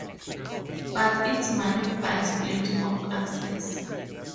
But its money buys plenty of access.